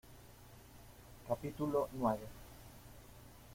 capítulo nueve.